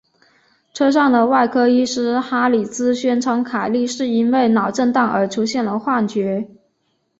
车上的外科医师哈里兹宣称凯莉是因为受到脑震荡而出现了幻觉。